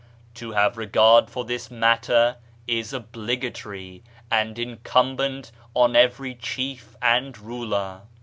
To have regard for this matter is obligatory and incum bent on every chief and ruler.